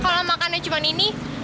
kalau makannya cuma ini